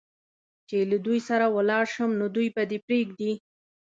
چې له دوی سره ولاړ شم، نو دوی به دې پرېږدي؟